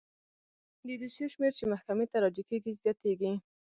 د دوسیو شمیر چې محکمې ته راجع کیږي زیاتیږي.